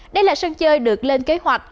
đây là sân chơi được lên kế hoạch